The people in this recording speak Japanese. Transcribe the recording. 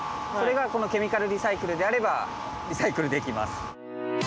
それがこのケミカルリサイクルであればリサイクルできます。